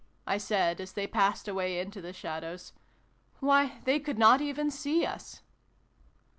" I said, as they passed away into the shadows. "Why, they could not even see us